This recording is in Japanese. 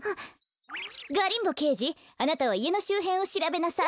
ガリンボけいじあなたはいえのしゅうへんをしらべなさい。